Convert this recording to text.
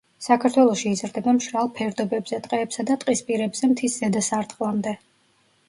საქართველოში იზრდება მშრალ ფერდობებზე, ტყეებსა და ტყისპირებზე მთის ზედა სარტყლამდე.